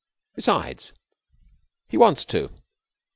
Besides, he wants to.